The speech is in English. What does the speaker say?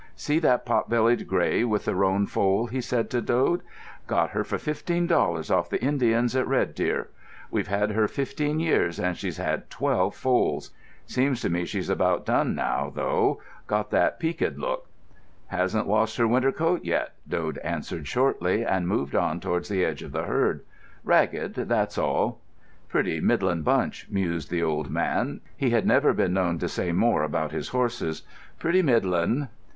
"See that pot bellied grey with the roan foal?" he said to Dode. "Got her for fifteen dollars off the Indians at Red Deer. We've had her fifteen years, and she's had twelve foals. Seems to me she's about done now, though. Got that peaked look." "Hasn't lost her winter coat yet," Dode answered shortly, and moved on towards the edge of the herd. "Ragged, that's all." "Pretty middlin' bunch," mused the old man. He had never been known to say more about his horses. "Pretty middlin'."